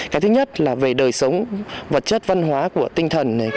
cái thứ nhất là về đời sống vật chất văn hóa của tinh thần này